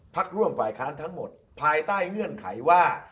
พักร่วมฝ่ายค้านทั้งหมดภายใต้เงื่อนไขว่า